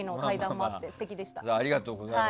ありがとうございます。